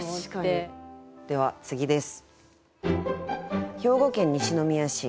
では次です。